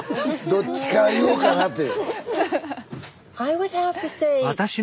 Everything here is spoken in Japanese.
どっちから言おうかなて。